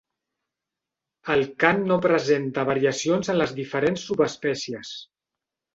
El cant no presenta variacions en les diferents subespècies.